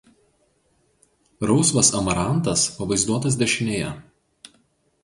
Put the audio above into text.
Rausvas amarantas pavaizduotas dešinėje.